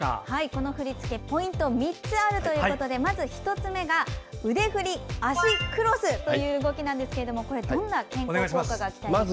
この振り付けポイントは３つあるということでまず１つ目が、腕振り脚クロスという動きなんですけどもどんな健康効果が期待できますか。